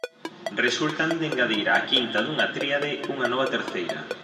Resultan de engadir á quinta dunha tríade unha nova terceira.